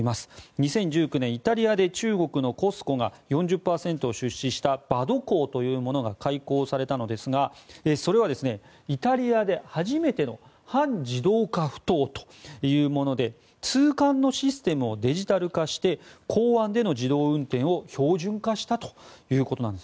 ２０１９年イタリアで中国のＣＯＳＣＯが４０％を出資したバド港というものが開港されたのですがそれはイタリアで初めての半自動化ふ頭というもので通関のシステムをデジタル化して港湾での自動運転を標準化したということなんです。